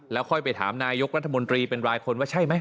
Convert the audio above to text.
แล้วค่อยไปถามนายกรัฐมนตรีเป็นรายคนว่าใช่ไหม